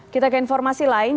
kita ke informasi lain